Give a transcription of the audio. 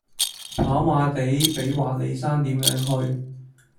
跑馬地比華利山點樣去?